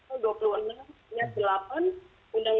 itu dua puluh enam dua puluh delapan undang undang dua ribu sembilan belas